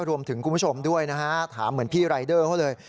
คุณผู้ชมด้วยนะฮะถามเหมือนพี่รายเดอร์เขาเลย